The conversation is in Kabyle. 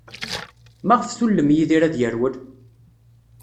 Maɣef tullem Yidir ad yerwel?